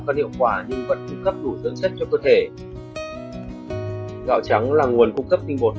cân hiệu quả nhưng vẫn cung cấp đủ sướng sách cho cơ thể gạo trắng là nguồn cung cấp tinh bột